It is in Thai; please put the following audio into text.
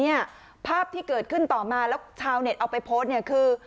ภาพที่เกิดขึ้นต่อมาแล้วชาวเน็ตเอาไปโพสต์เนี่ยคือ